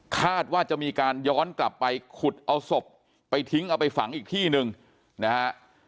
คาดว่าจะมีการย้อนกลับไปขุดเอาศพไปทิ้งเอาไปฝังอีกที่หนึ่งนะฮะ